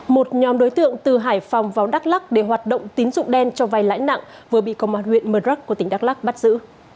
một nhóm đối tượng từ hải phòng vào đắk lắc để hoạt động tín dụng đen cho vai lãnh nặng vừa bị cộng hòa nguyễn mật rắc của tỉnh đắk lắc bắt giữ